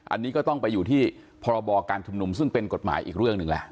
อันนี้ก็ต้องไปอยู่ที่พรบการชุมนุมซึ่งเป็นกฎหมายอีกเรื่องหนึ่งแหละ